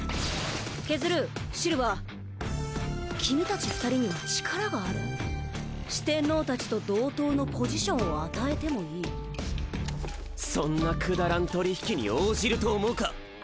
ケズルシルヴァーキミたち２人には力がある四天王たちと同等のポジションを与えてもいいそんなくだらん取り引きに応じると思うか？